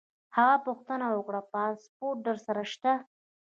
هغه پوښتنه وکړه: پاسپورټ در سره شته؟